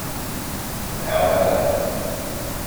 Well, how about it?